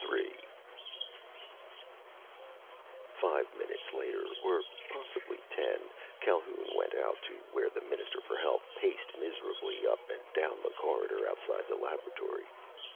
III Five minutes later, or possibly ten, Calhoun went out to where the Minister for Health paced miserably up and down the corridor outside the laboratory.